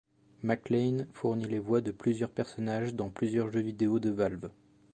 McLain fournit les voix de plusieurs personnages dans plusieurs jeux vidéo de Valve.